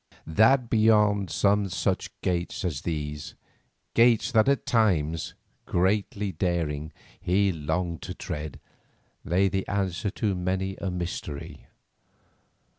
That beyond some such gates as these, gates that at times, greatly daring, he longed to tread, lay the answer to many a mystery.